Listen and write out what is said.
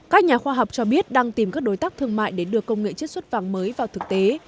các nhà khoa học cho biết đang tìm các đối tác thương mại để đưa công nghệ chiết xuất vàng mới vào thực tế